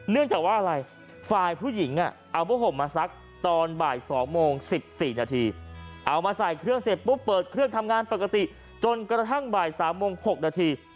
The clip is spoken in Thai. เนื่องจากว่าอะไรฝ่ายผู้หญิงเอาผ้าห่มมาซักตอนบ่าย๒โมง๑๔นาทีเอามาใส่เครื่องเสร็จปุ๊บเปิดเครื่องทำงานปกติจนกระทั่งบ่าย๓โมง๖นาที